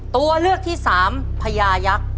ตัวเลือกที่สามพญายักษ์